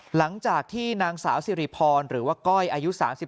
หลังจากที่นางสาวสิริพรหรือว่าก้อยอายุ๓๓